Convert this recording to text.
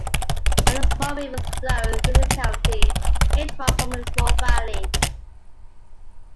Other small rivers flow through the county, each one forming a small valley.